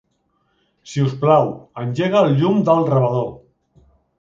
Si us plau, engega el llum del rebedor.